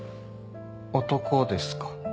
男ですか？